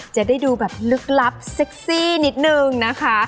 จะได้ดูแบบลึกลับเซ็กซี่นิดนึงนะคะ